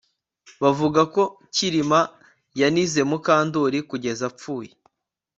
Bavuga ko Kirima yanize Mukandoli kugeza apfuye